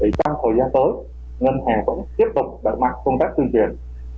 vậy trong thời gian tới ngân hàng vẫn tiếp tục đặt mặt công tác tương truyền